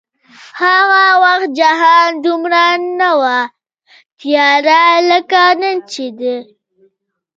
هغه وخت جهان دومره نه و تیاره لکه نن چې دی